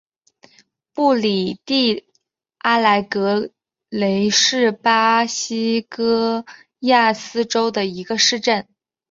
布里蒂阿莱格雷是巴西戈亚斯州的一个市镇。